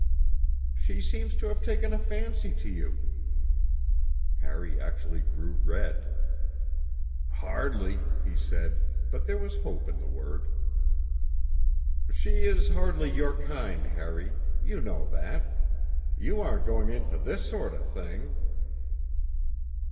"She seems to have taken a fancy to you." Harry actually grew red. "Hardly," he said; but there was hope in the word. "She is hardly your kind, Harry. You know that. You aren't going in for this sort of thing?"